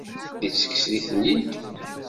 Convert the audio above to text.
Ittekkes-iten-id seg ufus n yimcumen.